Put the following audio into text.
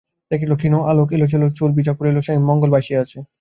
দেখিল ক্ষীণ আলােক, এলোচুল, ভিজা কাপড়ে সেই মঙ্গলা বসিয়া আছে।